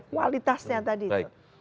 kualitasnya tadi itu